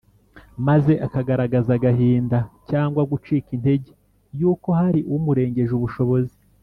maze akagaragaza agahinda cyangwa gucika intege yuko hari umurengeje ubushobozi